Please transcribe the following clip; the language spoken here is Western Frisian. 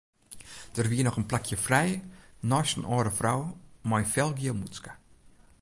Der wie noch in plakje frij neist in âlde frou mei in felgiel mûtske.